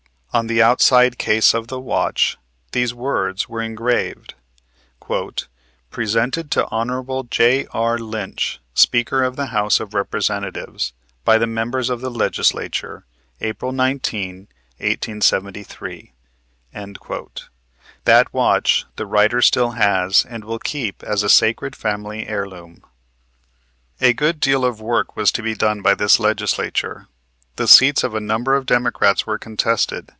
On the outside case of the watch these words were engraved: "Presented to Hon. J.R. Lynch, Speaker of the House of Representatives, by the Members of the Legislature, April 19, 1873." That watch the writer still has and will keep as a sacred family heirloom. A good deal of work was to be done by this Legislature. The seats of a number of Democrats were contested.